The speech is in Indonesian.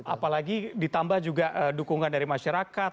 apalagi ditambah juga dukungan dari masyarakat